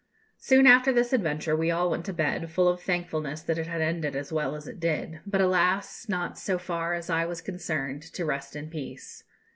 "Soon after this adventure we all went to bed, full of thankfulness that it had ended as well as it did, but, alas! not, so far as I was concerned, to rest in peace.